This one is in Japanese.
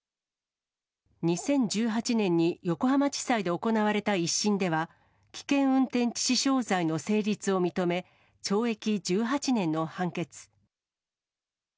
２０１８年に横浜地裁で行われた１審では、危険運転致死傷罪の成立を認め、懲役１８年の判決。